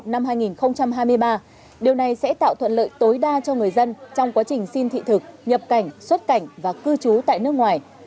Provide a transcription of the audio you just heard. năm hai nghìn hai mươi ba điều này sẽ tạo thuận lợi tối đa cho người dân trong quá trình xin thị thực nhập cảnh xuất cảnh và cư trú tại nước ngoài